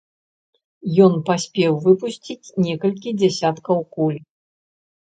Ён паспеў выпусціць некалькі дзясяткаў куль.